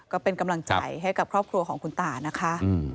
ก็เป็นกำลังใจให้กับครอบครัวของคุณตานะคะ